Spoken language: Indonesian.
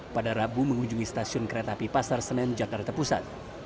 pada rabu mengunjungi stasiun kereta api pasar senen jakarta pusat